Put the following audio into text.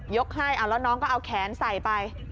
ให้เอาแล้วน้องก็เอาแขนใส่ไป